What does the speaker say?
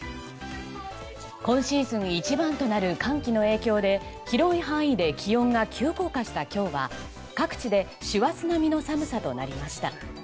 今シーズン一番となる寒気の影響で広い範囲で気温が急降下した今日は各地で師走並みの寒さとなりました。